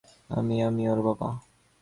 আমি, আমি ওর বাবা।